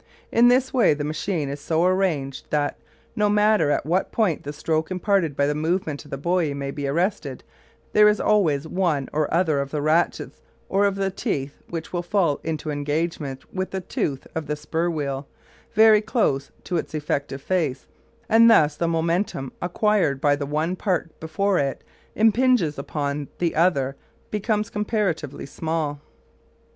In this way the machine is so arranged that, no matter at what point the stroke imparted by the movement of the buoy may be arrested, there is always one or other of the ratchets or of the teeth which will fall into engagement with the tooth of the spur wheel, very close to its effective face, and thus the momentum acquired by the one part before it impinges upon the other becomes comparatively small.